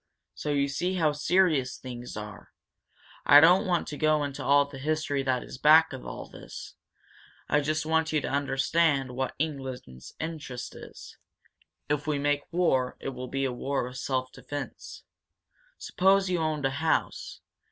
So you see how serious things are. I don't want to go into all the history that is back of all this. I just want you to understand what England's interest is. If we make war, it will be a war of self defence. Suppose you owned a house.